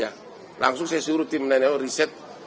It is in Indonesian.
nah langsung saya suruh tim nenel reset